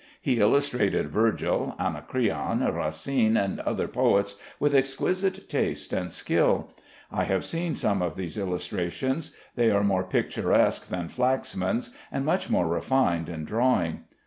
He illustrated Virgil, Anacreon, Racine, and other poets with exquisite taste and skill. I have seen some of these illustrations. They are more picturesque than Flaxman's, and much more refined in drawing.